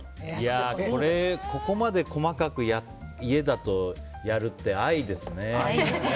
これ、ここまで細かく家だと、やるって愛ですね。